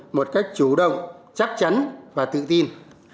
một cách chủ động chắc chắn và tự tin